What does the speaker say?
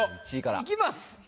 いきます。